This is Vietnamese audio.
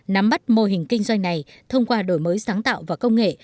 nắm bắt mô hình kinh doanh này thông qua đổi mới sáng tạo và công nghệ